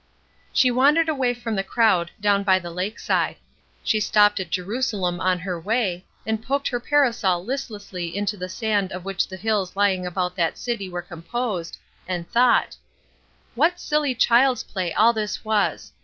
She wandered away from the crowd down by the lake side. She stopped at Jerusalem on her way, and poked her parasol listlessly into the sand of which the hills lying about that city were composed, and thought: "What silly child's play all this was!